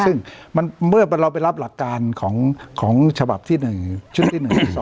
ซึ่งเมื่อเราไปรับหลักการของฉบับที่๑ชุดที่๑ที่๒